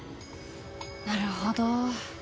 なるほど。